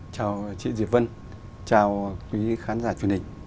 chào chị diệp vân chào quý khán giả truyền hình